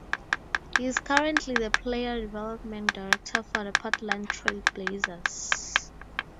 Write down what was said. He is currently the Player Development Director for the Portland Trail Blazers.